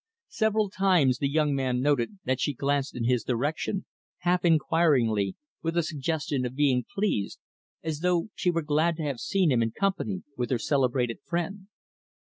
Several times, the young man noted that she glanced in his direction, half inquiringly, with a suggestion of being pleased, as though she were glad to have seen him in company with her celebrated friend.